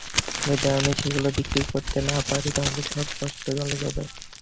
যদি আমি সেগুলো বিক্রি করতে না পারি তাহলে সব কষ্ট জলে যাবে।